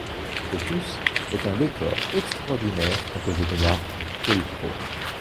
Cet Opus est un décor extraordinaire composé de marbre polychrome.